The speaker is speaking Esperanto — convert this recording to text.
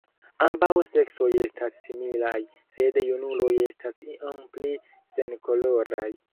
Ambaŭ seksoj estas similaj, sed junuloj estas iom pli senkoloraj.